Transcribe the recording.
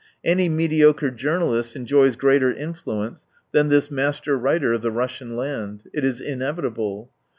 Any mediocre journalist enjoys greater influence than this master writer of the Russian land. It is inevitable.